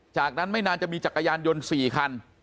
จากนั้นไม่นานจะมีจักรยานยนต์๔คัน